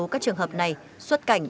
đa số các trường hợp này xuất cảnh với